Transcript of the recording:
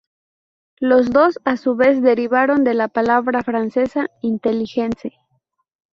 Los dos, a su vez, derivaron de la palabra francesa "intelligence".